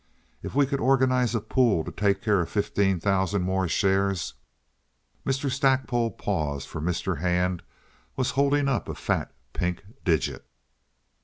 If we could organize a pool to take care of fifteen thousand more shares—" Mr. Stackpole paused, for Mr. Hand was holding up a fat, pink digit.